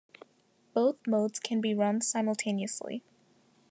Both modes can be run simultaneously.